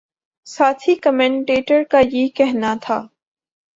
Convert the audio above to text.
ساتھی کمنٹیٹر کا یہ کہنا تھا